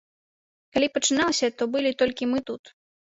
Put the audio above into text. Калі пачыналася, то былі толькі мы тут.